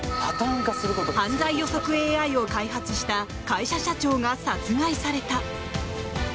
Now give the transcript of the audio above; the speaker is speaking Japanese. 犯罪予測ＡＩを開発した会社社長が殺害された。